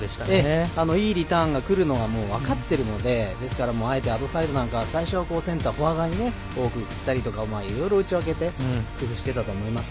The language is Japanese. いいリターンがくるのが分かってるのであえて、アドサイドなんか最初はセンター、フォア側に多く振ったりとかいろいろ打ち分けて工夫してたと思います。